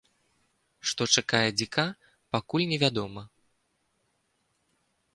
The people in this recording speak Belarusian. Што чакае дзіка, пакуль не вядома.